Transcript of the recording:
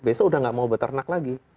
besok udah nggak mau peternak lagi